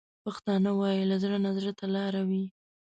پښتانه وايي: له زړه نه زړه ته لارې وي.